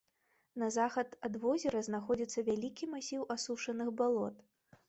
На захад ад возера знаходзіцца вялікі масіў асушаных балот.